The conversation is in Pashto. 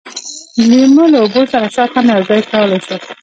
د لیمو له اوبو سره شات هم یوځای کولای شئ.